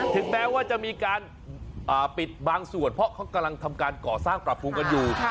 ถึงแม้ว่าจะมีการปิดบางส่วนเพราะเขากำลังทำการก่อสร้างปรับปรุงกันอยู่